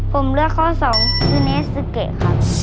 ผมเลือกข้อสองยูเนสซึเกะครับ